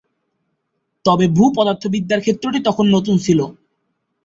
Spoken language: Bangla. তবে ভূ-পদার্থবিদ্যার ক্ষেত্রটি তখন নতুন ছিল।